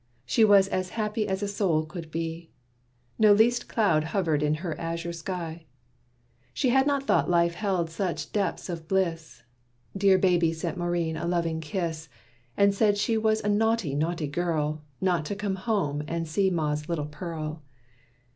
She was as happy as a soul could be; No least cloud hovered in her azure sky; She had not thought life held such depths of bliss. Dear baby sent Maurine a loving kiss, And said she was a naughty, naughty girl, Not to come home and see ma's little pearl.